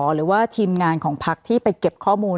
หรือว่าทีมงานของพักที่ไปเก็บข้อมูล